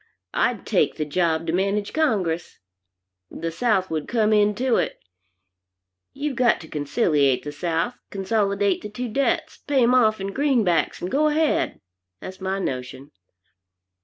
I'd take the job to manage Congress. The South would come into it. You've got to conciliate the South, consolidate the two debts, pay 'em off in greenbacks, and go ahead. That's my notion.